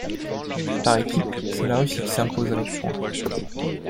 Par équipes, c'est la Russie qui s'impose avec points.